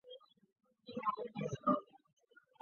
是天主教横滨教区的主教座堂。